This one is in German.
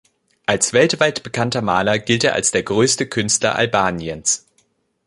Als weltweit bekannter Maler gilt er als der größte Künstler Albaniens.